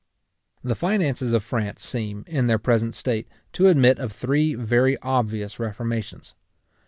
The finances of France seem, in their present state, to admit of three very obvious reformations.